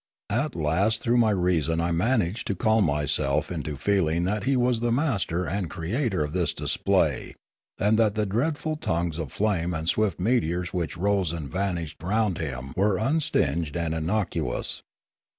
At last through my reason I man aged to calm myself into feeling that he was the master and creator of this display and that the dreadful tongues of flame and swift meteors which rose and vanished around him were unstinged and innocuous.